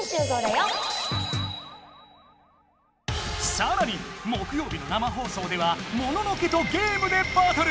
さらに木よう日の生放送ではモノノ家とゲームでバトル！